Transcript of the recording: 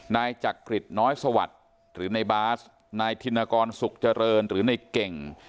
นายจักริจน้อยสวัสดิ์หรือในบาสนายธินกรสุขเจริญหรือในเก่ง